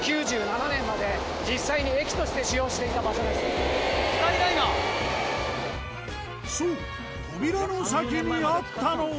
実はそう扉の先にあったのは。